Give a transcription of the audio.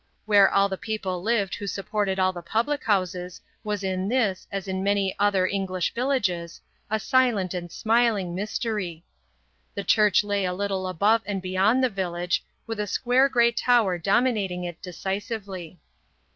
Where all the people lived who supported all the public houses was in this, as in many other English villages, a silent and smiling mystery. The church lay a little above and beyond the village, with a square grey tower dominating it decisively.